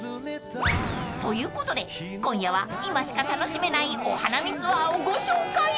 ［ということで今夜は今しか楽しめないお花見ツアーをご紹介］